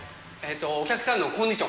お客さんのコンディシ